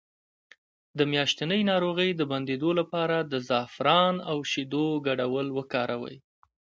د میاشتنۍ ناروغۍ د بندیدو لپاره د زعفران او شیدو ګډول وکاروئ